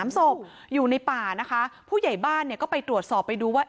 ๓ศพอยู่ในป่านะคะผู้ใหญ่บ้านเนี่ยก็ไปตรวจสอบไปดูว่า